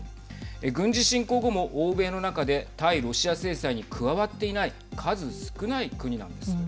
軍事侵攻後も欧米の中で対ロシア制裁に加わっていない数少ない国なんです。